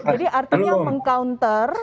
jadi artinya meng counter